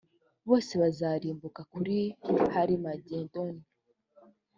bose bazarimbuka kuri harimagedoni.